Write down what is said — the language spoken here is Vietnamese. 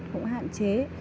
cũng hạn chế